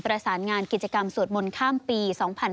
ประสานงานกิจกรรมสวดมนต์ข้ามปี๒๕๕๙